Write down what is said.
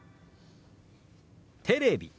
「テレビ」。